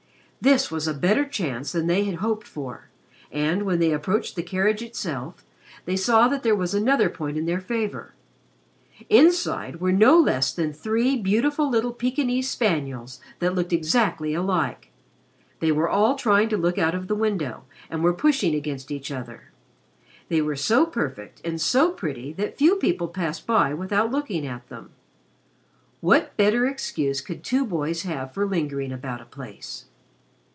This was a better chance than they had hoped for, and, when they approached the carriage itself, they saw that there was another point in their favor. Inside were no less than three beautiful little Pekingese spaniels that looked exactly alike. They were all trying to look out of the window and were pushing against each other. They were so perfect and so pretty that few people passed by without looking at them. What better excuse could two boys have for lingering about a place?